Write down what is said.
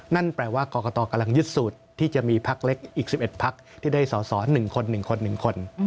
นั่นแปลว่ากรกตกำลังยึดสูตรที่จะมีพักเล็กอีก๑๑พักที่ได้สอสอ๑คน๑คน๑คน